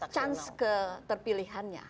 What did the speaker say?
chance ke terpilihannya